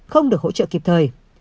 không được hỗ trợ kịp thời